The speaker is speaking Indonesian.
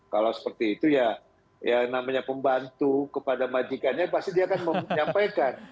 kalau seperti itu ya yang namanya pembantu kepada majikannya pasti dia akan menyampaikan